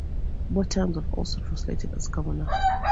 Both terms are also translated as "governor".